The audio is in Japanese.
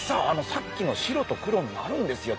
さっきの白と黒になるんですよ